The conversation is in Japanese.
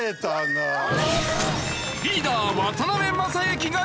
リーダー渡辺正行が登場！